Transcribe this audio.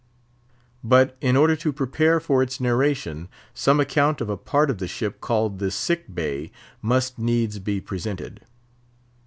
But in order to prepare for its narration, some account of a part of the ship called the "sick bay" must needs be presented.